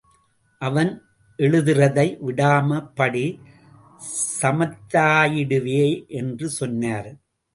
அவன் எழுதுறதை விடாம படி சமத்தாயிடுவே என்று சொன்னார்.